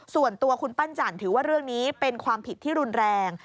ส่วนตัวคุณปั้นจันทร์ถือว่าเรื่องนี้เป็นความผิดที่รุนแรง